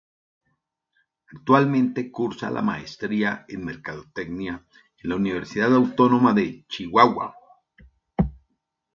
Actualmente cursa la Maestría en Mercadotecnia en la Universidad Autónoma de Chihuahua.